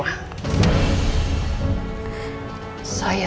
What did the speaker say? maka tuhan akan nyuruh